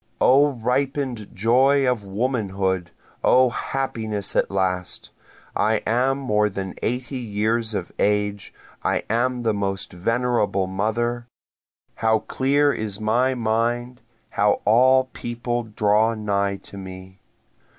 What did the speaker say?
O ripen'd joy of womanhood! O happiness at last! I am more than eighty years of age, I am the most venerable mother, How clear is my mind how all people draw nigh to me!